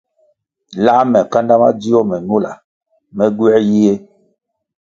Lā me kanda madzio me ñula, me gywē yie.